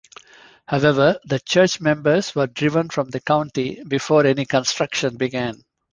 However, the church members were driven from the county before any construction began.